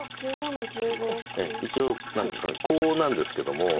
一応何ですかコウなんですけども。